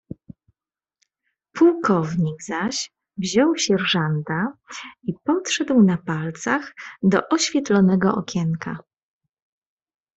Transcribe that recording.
"Pułkownik zaś wziął sierżanta i podszedł na palcach do oświetlonego okienka."